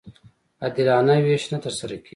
عادلانه وېش نه ترسره کېږي.